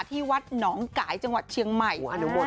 ที่วัดหนองกายจังหวัดเชียงใหม่